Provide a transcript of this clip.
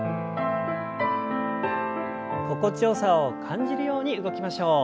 心地よさを感じるように動きましょう。